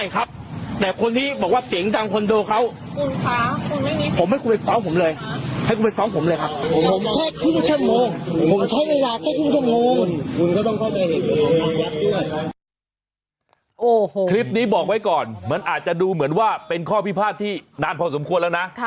คลิปนี้บอกไว้ก่อนมันอาจจะดูเหมือนว่าเป็นข้อพิพาทที่นานพอสมควรแล้วนะ